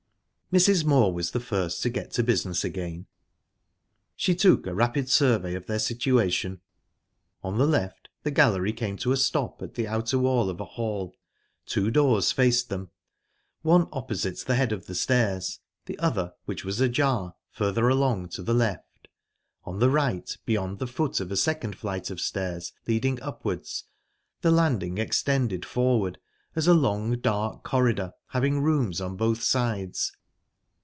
Mrs. Moor was the first to get to business again. She took a rapid survey of their situation. On the left, the gallery came to a stop at the outer wall of the hall. Two doors faced them; one opposite the head of the stairs, the other, which was ajar, further along to the left. On the right, beyond the foot of a second flight of stairs leading upwards, the landing extended forward as a long, dark corridor having rooms on both sides.